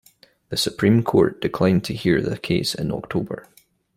The Supreme Court declined to hear the case in October.